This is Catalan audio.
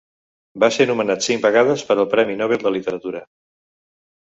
Va ser nomenat cinc vegades per al Premi Nobel de Literatura.